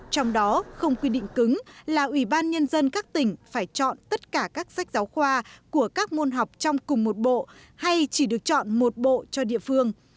trong đó không quy định cứng là ủy ban nhân dân các tỉnh phải chọn tất cả các sách giáo khoa của các môn học trong cùng một bộ hay chỉ được chọn một bộ cho địa phương